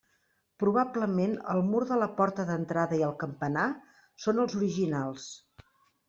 Probablement el mur de la porta d'entrada i el campanar són els originals.